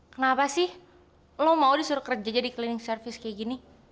kenapa sih lo mau disuruh kerja jadi cleaning service kayak gini